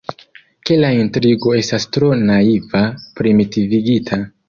Ke la intrigo estas tro naiva, primitivigita.